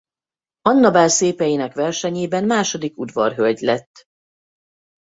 Anna-bál szépeinek versenyében második udvarhölgy lett.